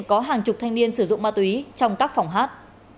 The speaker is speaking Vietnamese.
có hàng chục thanh niên sử dụng ma túy trong các phòng hát